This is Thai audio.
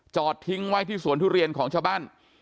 จอดทิ้งไว้ที่สวนทุเรียนของชาวบ้าน